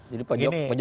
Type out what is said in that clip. jadi penyok penyok saja